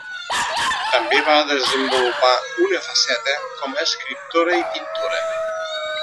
També va desenvolupar una faceta com a escriptora i pintora.